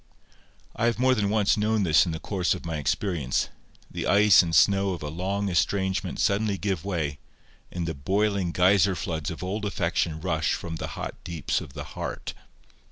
I have more than once known this in the course of my experience—the ice and snow of a long estrangement suddenly give way, and the boiling geyser floods of old affection rush from the hot deeps of the heart.